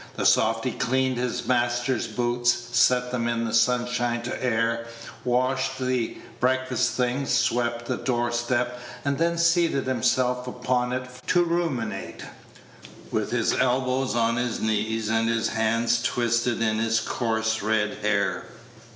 The softy cleaned his master's boots, set them in the sunshine to air, washed the breakfast things, swept the door step, and then seated himself upon it to ruminate, with his elbows on his keens and his hands twisted in his coarse red hair.